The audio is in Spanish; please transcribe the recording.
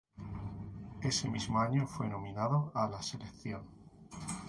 Ese mismo año fue nominado a la Selección.